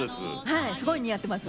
はいすごい似合ってます。